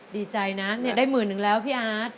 ดีใจนะได้หมื่นนึงแล้วพี่อาร์ต